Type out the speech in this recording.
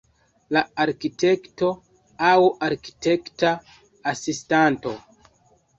La arkitekto, aŭ arkitekta asistanto.